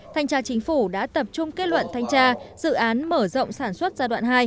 thanh tra chính phủ đã tập trung kết luận thanh tra dự án mở rộng sản xuất giai đoạn hai